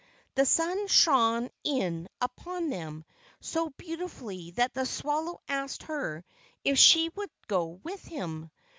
The sun shone in upon them so beautifully that the swallow asked her if she would go with him.